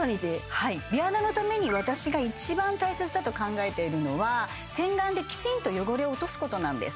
はい美肌のために私が一番大切だと考えているのは洗顔できちんと汚れを落とすことなんです